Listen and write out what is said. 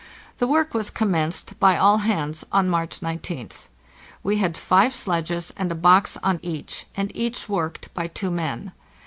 The work was commenced by all hands on March toth. We had five sledges, and a box on each, and each worked by two men.